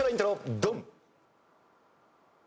ドン！